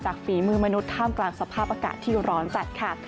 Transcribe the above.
ฝีมือมนุษย์ท่ามกลางสภาพอากาศที่ร้อนจัดค่ะ